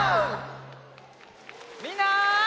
みんな！